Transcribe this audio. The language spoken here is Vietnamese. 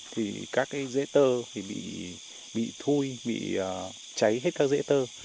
thì các cái dễ tơ thì bị thui bị cháy hết các dễ tơ